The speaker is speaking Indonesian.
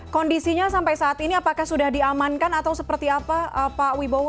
kondisinya sampai saat ini apakah sudah diamankan atau seperti apa pak wibowo